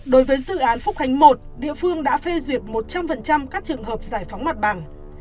đối với dự án phúc khánh một địa phương đã phê duyệt một trăm linh các trường hợp giải phóng mặt bằng